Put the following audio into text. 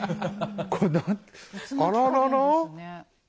これあららら？